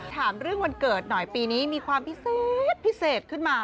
ถามเรื่องวันเกิดหน่อยปีนี้มีความพิเศษพิเศษขึ้นมา